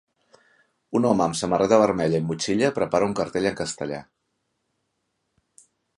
Un home amb samarreta vermella i motxilla prepara un cartell en castellà.